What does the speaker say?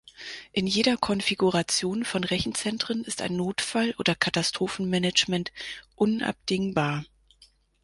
In jeder Konfiguration von Rechenzentren ist ein Notfall- oder Katastrophenmanagement unabdingbar.